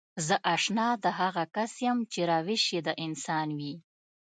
زه اشنا د هغه کس يم چې روش يې د انسان وي.